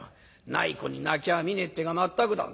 ない子に泣きはみねえっていうが全くだ